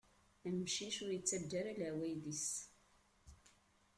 Amcic ur ittaǧǧa ara laɛwayed-is.